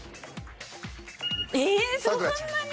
ええっそんなに？